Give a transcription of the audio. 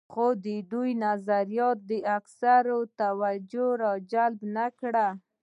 خو د دوی نظریاتو د اکثریت توجه جلب نه کړه.